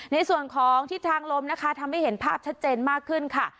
ในส่วนของทิศทางลมนะคะทำให้เห็นภาพชัดเจนมากขึ้นค่ะ